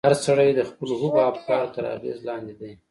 هر سړی د خپلو هغو افکارو تر اغېز لاندې دی.